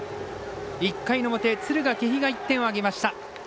１回の表、敦賀気比が１点を挙げました。